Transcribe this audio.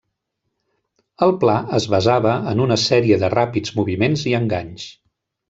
El pla es basava en una sèrie de ràpids moviments i enganys.